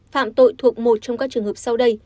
phạm tội thuộc một trong các trường hợp sau đây